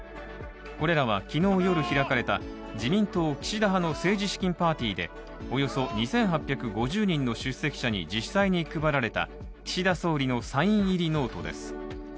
これらは昨日夜開かれた自民党岸田派の政治資金パーティーで、およそ２８５０人の出席者に実際に配られた岸田総理のサイン入りノートです。